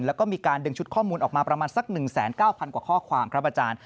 และมีการดึงชุดข้อมูลประมาณสัก๑๙พันกว่าข้อความครับอาจารย์